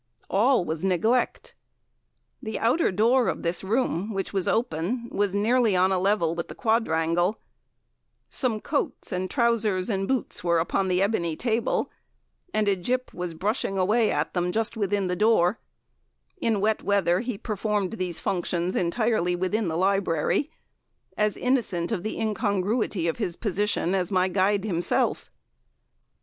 All was neglect. The outer door of this room, which was open, was nearly on a level with the Quadrangle; some coats, and trousers, and boots were upon the ebony table, and a "gyp" was brushing away at them just within the door in wet weather he performed these functions entirely within the library as innocent of the incongruity of his position as my guide himself.